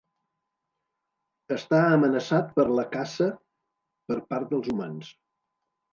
Està amenaçat per la caça per part dels humans.